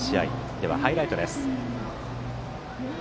ではハイライトです。